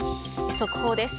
速報です。